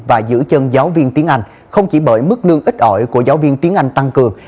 và giữ chân giáo viên tiếng anh không chỉ bởi mức lương ít ỏi của giáo viên tiếng anh tăng cường